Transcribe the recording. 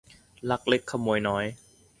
ลักเล็กขโมยน้อย